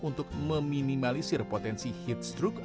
untuk meminimalisir potensi heat stroke atau migren